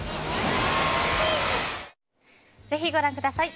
ぜひご覧ください。